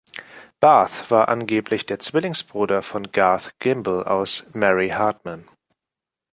Barth war angeblich der Zwillingsbruder von Garth Gimble aus „Mary Hartman“.